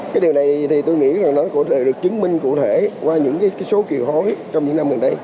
cái điều này thì tôi nghĩ là nó có thể được chứng minh cụ thể qua những số kỳ hối trong những năm gần đây